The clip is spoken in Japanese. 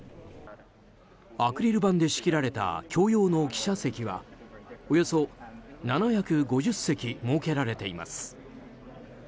アクリル板で仕切られた共用の記者席はおよそ７５０席設けられています。